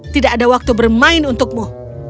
tidak ada waktu bermain untukmu